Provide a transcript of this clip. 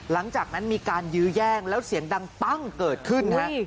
หลังจากนั้นมีการยื้อแย่งแล้วเสียงดังปั้งเกิดขึ้นฮะ